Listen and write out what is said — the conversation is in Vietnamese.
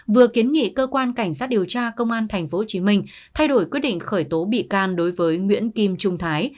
vừa kiến nghị cơ quan cảnh sát điều tra công an tp hcm thay đổi quyết định khởi tố bị can đối với nguyễn kim trung thái